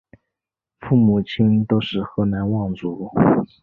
父母亲都是河南望族。